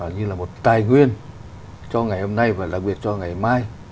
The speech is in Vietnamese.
như là một tài nguyên cho ngày hôm nay và làm việc cho ngày mai